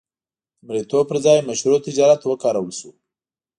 د مریتوب پر ځای مشروع تجارت وکارول شو.